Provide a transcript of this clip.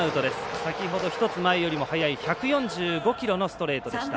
先ほど１つ前よりも速い１４５キロのストレートでした。